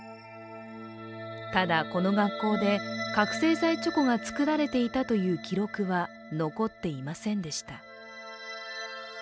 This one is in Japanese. ただこの学校で覚醒剤チョコが作られていたという記録は残っていませんでした。